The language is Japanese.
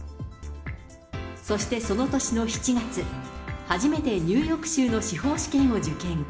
そしてその年の７月、初めてニューヨーク州の司法試験を受験。